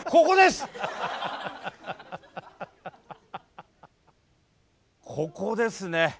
ここですね。